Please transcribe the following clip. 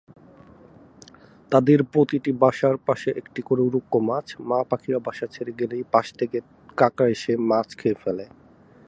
তাদের প্রতিটি বাসার পাশে একটি করে উড়ুক্কু মাছ, মা পাখিরা বাসা ছেড়ে গেলেই পাশ থেকে কাঁকড়া এসে মাছ খেয়ে ফেলে।